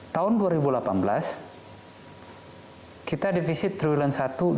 tahun dua ribu delapan belas kita defisit tribulan satu dua ratus enam puluh satu